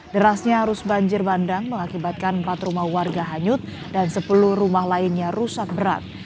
derasnya arus banjir bandang mengakibatkan empat rumah warga hanyut dan sepuluh rumah lainnya rusak berat